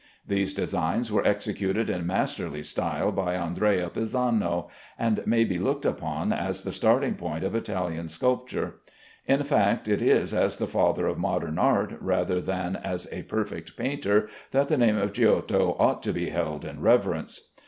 These designs were executed in masterly style by Andrea Pisano, and may be looked upon as the starting point of Italian sculpture. In fact, it is as the father of modern art rather than as a perfect painter that the name of Giotto ought to be held in reverence.